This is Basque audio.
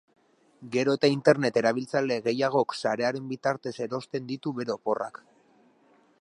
Gero eta internet erabiltzaile gehiagok sarearen bitartez erosten ditu bere oporrak.